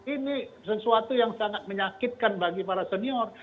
ini sesuatu yang sangat menyakitkan bagi para senior